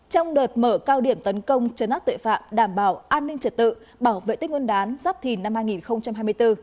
trong đợt mở cao điểm tấn công chấn áp tuệ phạm đảm bảo an ninh trật tự bảo vệ tích nguồn đán giáp thìn năm hai nghìn hai mươi bốn